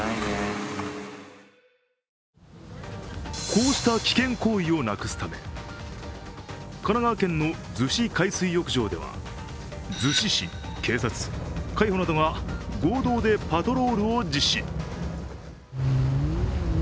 こうした危険行為をなくすため、神奈川県の逗子海水浴場では、逗子市・警察・海保などが合同でパトロールを実施。